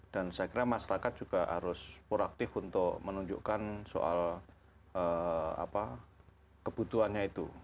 dan saya kira masyarakat juga harus proaktif untuk menunjukkan soal kebutuhannya itu